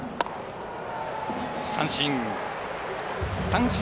三振。